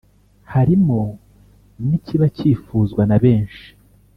harimo n’ikiba cyifuzwa na benshi